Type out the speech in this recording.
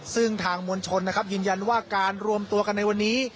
ซึ่งทางมวลชนนะครับยืนยันว่าการรวมตัวกันในวันนี้